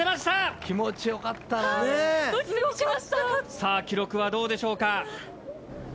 さあ記録はどうでしょうか？